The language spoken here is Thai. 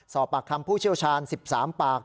สอบปากคำผู้เชี่ยวชาญ๑๓ปาก